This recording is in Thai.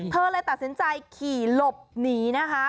เธอเลยตัดสินใจขี่หลบหนีนะคะ